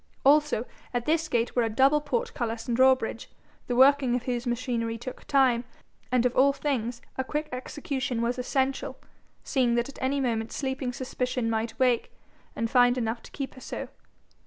Also at this gate were a double portcullis and drawbridge, the working of whose machinery took time, and of all things a quick execution was essential, seeing that at any moment sleeping suspicion might awake, and find enough to keep her so.